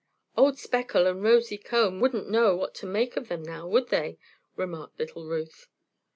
"Old Speckle and Rosy Comb wouldn't know what to make of them now, would they?" remarked little Ruth.